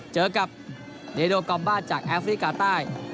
เจอกับเดโดกอมบ้าจากแอฟริกาใต้